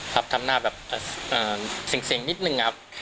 ก็ทำหน้าแบบเซ็งนิดหนึ่งครับ